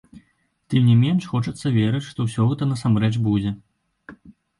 Тым не менш, хочацца верыць, што ўсё гэта насамрэч будзе.